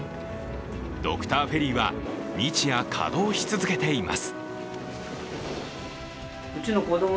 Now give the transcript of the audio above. ドクターフェリーは日夜、稼働し続けています。